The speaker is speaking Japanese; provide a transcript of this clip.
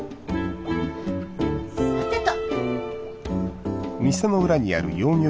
さてと。